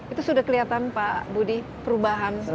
itu sudah kelihatan pak budi perubahan